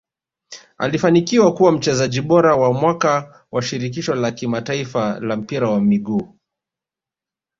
alifanikiwa kuwa mchezaji bora wa mwaka wa shirikisho la kimataifa la mpira wa miguu